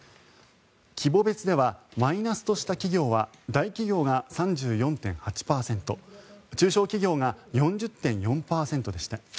規模別ではマイナスとした企業は大企業が３４．８％中小企業が４０．４％でした。